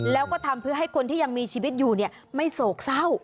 แล้วก็ทำเพื่อให้คนที่ยังมีชีวิตอยู่ไม่โศกเศร้า